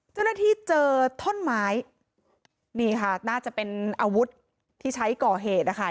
เจ้าหน้าที่เจอท่อนไม้นี่ค่ะน่าจะเป็นอาวุธที่ใช้ก่อเหตุนะคะ